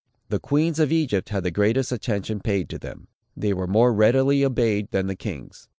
The queens of Egypt had the greatest attention paid to them. They were more readily obeyed than the kings.